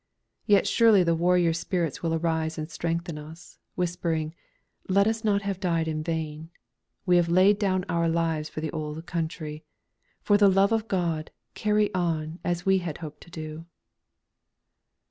Yet surely the warrior spirits will arise and strengthen us, whispering: "Let us not have died in vain. We laid down our lives for the Old Country. For the love of God 'carry on,' as we had hoped to do."